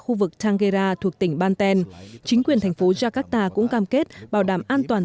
khu vực tangeara thuộc tỉnh banten chính quyền thành phố jakarta cũng cam kết bảo đảm an toàn